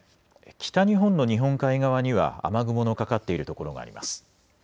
北日本の日本海側には雨雲のかかっている所があります。